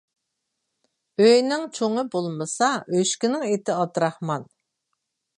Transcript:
ئۆينىڭ چوڭى بولمىسا، ئۆچكىنىڭ ئېتى ئابدۇراخمان.